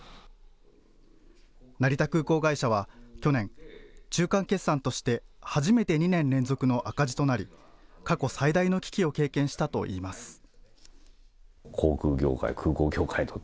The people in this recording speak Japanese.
成田空港会社は去年、中間決算として初めて２年連続の赤字となり過去最大の危機を経験したといいます。